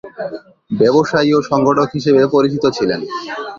ব্যবসায়ী ও সংগঠক হিসেবে পরিচিত ছিলেন।